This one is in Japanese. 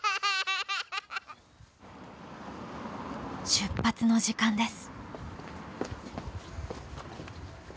出発の時間です。